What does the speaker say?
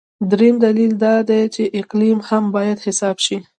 درېیم دلیل دا دی چې اقلیم هم باید حساب شي.